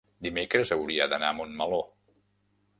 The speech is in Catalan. dimecres hauria d'anar a Montmeló.